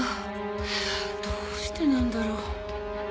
どうしてなんだろう。